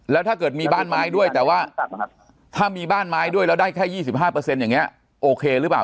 แล้วถ้าเกิดมีบ้านไม้ด้วยแต่ว่าถ้ามีบ้านไม้ด้วยแล้วได้แค่๒๕อย่างนี้โอเคหรือเปล่า